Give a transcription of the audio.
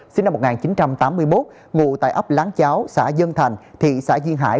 sinh năm một nghìn chín trăm tám mươi một ngụ tại ấp láng cháo xã dân thành thị xã duyên hải